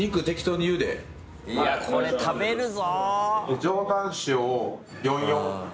いやこれ食べるぞ！